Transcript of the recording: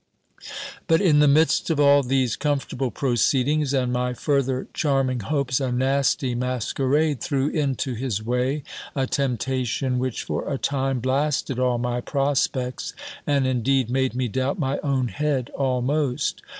But in the midst of all these comfortable proceedings, and my further charming hopes, a nasty masquerade threw into his way a temptation, which for a time blasted all my prospects, and indeed made me doubt my own head almost.